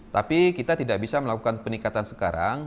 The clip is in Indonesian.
tapi kita tidak bisa melakukan peningkatan sekarang